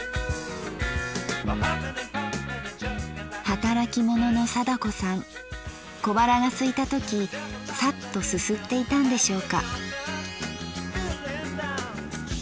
働き者の貞子さん小腹がすいた時サッとすすっていたんでしょうか。